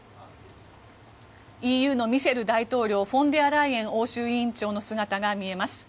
ＥＵのミシェル大統領フォンデアライエン欧州委員長の姿が見えます。